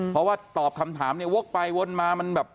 เพราะว่าตอบคำถามเนี่ยวกไปวนมามันแบบ